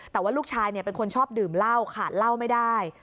แต่ว่าลูกชายเป็นคนชอบดื่มเหล้าขาดเหล้าไม่ได้